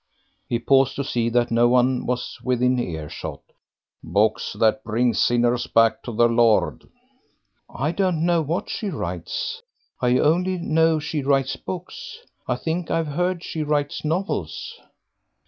He paused to see that no one was within earshot. "Books that bring sinners back to the Lord." "I don't know what she writes; I only know she writes books; I think I've heard she writes novels."